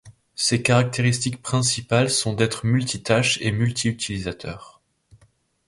Ses caractéristiques principales sont d'être multitâche et multi-utilisateur.